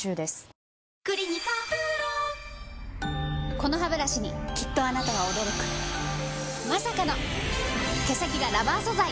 このハブラシにきっとあなたは驚くまさかの毛先がラバー素材！